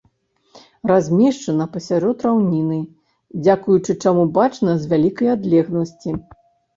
Размешчана пасярод раўніны, дзякуючы чаму бачна з вялікай адлегласці.